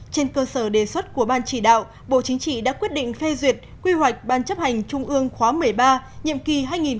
trên cơ sở đề xuất của ban chỉ đạo bộ chính trị đã quyết định phê duyệt quy hoạch ban chấp hành trung ương khóa một mươi ba nhiệm kỳ hai nghìn hai mươi một hai nghìn hai mươi sáu